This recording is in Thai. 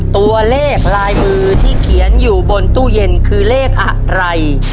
ตัวเลขลายมือที่เขียนอยู่บนตู้เย็นคือเลขอะไร